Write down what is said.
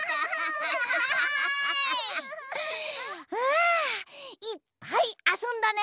あいっぱいあそんだね！